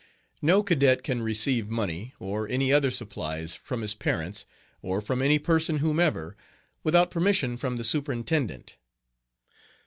No cadet can receive money, or any other supplies, from his parents, or from any person whomsoever, without permission from the Superintendent.